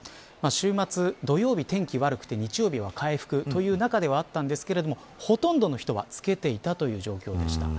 週末、土曜日は天気悪くて日曜日は回復という中ではあったんですがほとんどの人は着けていたという状況でした。